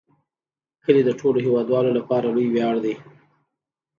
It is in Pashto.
کلي د ټولو هیوادوالو لپاره لوی ویاړ دی.